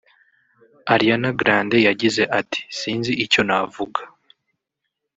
Ariana Grande yagize ati “Sinzi icyo navuga